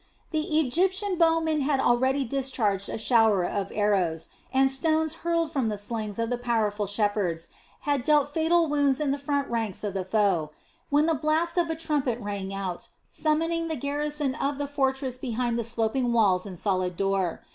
The Egyptian bowmen had already discharged a shower of arrows, and stones hurled from the slings of the powerful shepherds had dealt fatal wounds in the front ranks of the foe, when the blast of a trumpet rang out, summoning the garrison of the fortress behind the sloping walls and solid door.